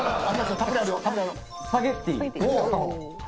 スパゲティ。